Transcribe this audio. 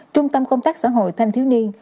trung tâm công tác xã hội thanh thiếu niên